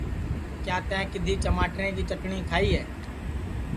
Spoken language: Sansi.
کیا تیں کِدؔھی چماٹریں کی چٹٹؔی کھائی ہے